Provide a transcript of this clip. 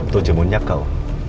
tôi chỉ muốn nhắc cậu